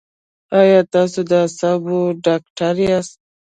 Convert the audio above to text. ایا تاسو د اعصابو ډاکټر یاست؟